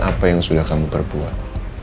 apa yang sudah kamu perbuat